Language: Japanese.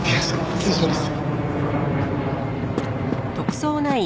失礼します。